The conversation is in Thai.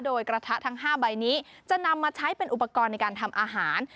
โดยกระทะทั้ง๕ใบนี้จะนำมาใช้เป็นอุปกรณ์ในการทำอาหาร